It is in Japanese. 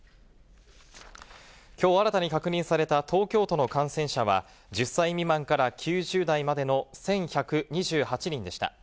きょう新たに確認された東京都の感染者は、１０歳未満から９０代までの１１２８人でした。